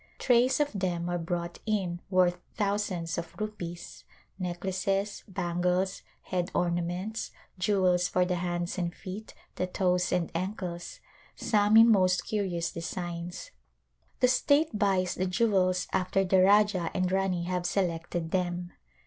Trays of them are brought in worth thousands of rupees, necklaces, bangles, head ornaments, jewels for the hands and feet, the toes and ankles, some in most curious designs. The state buys the jewels after the Rajah and Rani have selected them.